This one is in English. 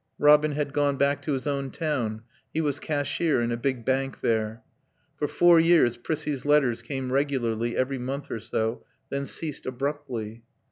Robin had gone back to his own town; he was cashier in a big bank there. For four years Prissie's letters came regularly every month or so, then ceased abruptly.